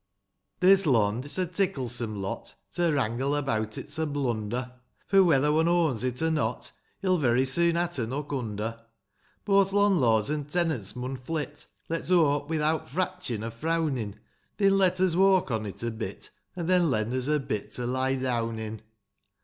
This lond, — it's a ticklesome lot ; To wrangle about it's a blunder ; For, whether one owns it or not, He'll very soon ha' to knock under ; Both lonlords an' tenants mun flit ; Let's hope, without fratchin', or frownin', They'n let us walk on it a bit, An' then lend us a bit to lie down in.